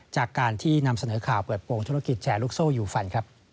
จากการที่นำเสนอข่าวเปิดโปรงธุรกิจแชร์ลูกโซ่ยูฟัน